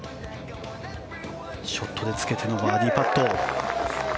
ショットでつけてのバーディーパット。